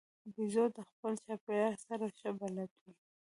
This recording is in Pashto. بیزو د خپل چاپېریال سره ښه بلد وي.